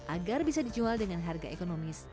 agar bisa dijual dengan harga ekonomis